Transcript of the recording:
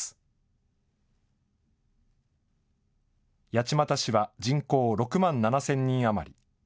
八街市は人口６万７０００人余り。